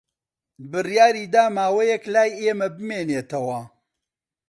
بڕیاری دا ماوەیەک لای ئێمە بمێنێتەوە.